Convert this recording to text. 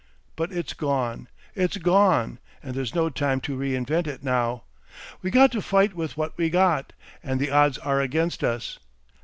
But it's gone, it's gone, and there's no time to reinvent it now. We got to fight with what we got and the odds are against us.